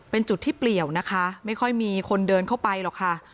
เป็นจุดที่เปลี่ยวนะคะไม่ค่อยมีคนเดินเข้าไปหรอกค่ะ